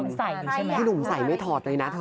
พี่หนุ่มใส่ไม่ถอดเลยนะเถอะ